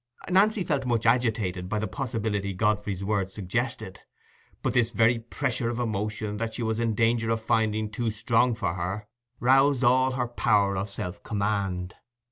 Nancy really felt much agitated by the possibility Godfrey's words suggested, but this very pressure of emotion that she was in danger of finding too strong for her roused all her power of self command.